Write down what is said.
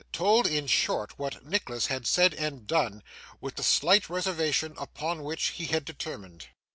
Told, in short, what Nicholas had said and done, with the slight reservation upon which he had determined.